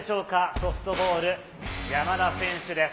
ソフトボール山田選手です。